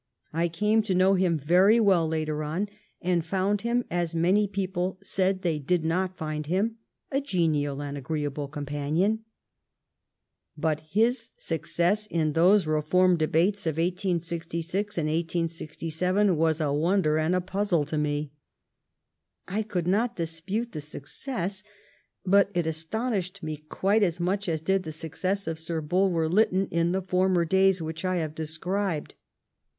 I came to know him very well later on, and found him, as many people said they did not find him, a genial and agreeable companion. But his success in those reform debates of 1866 and 1867 was a won der and a puzzle to me. I could not dispute the success, but it astonished me quite as much as did the success of Sir Bulwer Lytton in the former days which I have described.